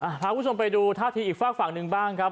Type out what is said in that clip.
พาคุณผู้ชมไปดูท่าทีอีกฝากฝั่งหนึ่งบ้างครับ